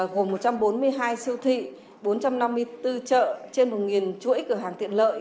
gồm một trăm bốn mươi hai siêu thị bốn trăm năm mươi bốn chợ trên một chuỗi cửa hàng tiện lợi